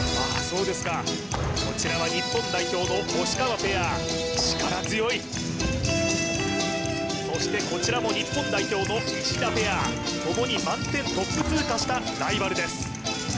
そうですかこちらは日本代表の押川ペア力強いそしてこちらも日本代表の石田ペア共に満点トップ通過したライバルです